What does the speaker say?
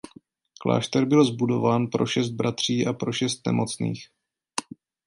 Klášter byl zbudován pro šest bratří a pro šest nemocných.